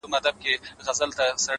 له دې جهانه بېل وي ـ